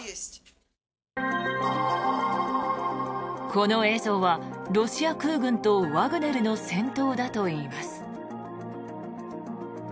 この映像はロシア空軍とワグネルの戦闘だといいます。